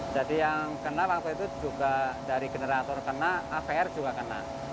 jadi yang kena langsung itu juga dari generator kena avr juga kena